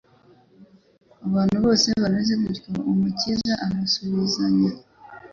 Ku bantu bose bameze batyo, Umukiza abasubizanya